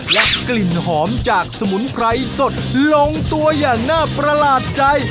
และกลิ่นหอมจากสมุนไพรสดลงตัวอย่างน่าประหลาดใจ